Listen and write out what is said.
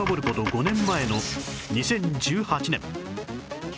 ５年前の２０１８年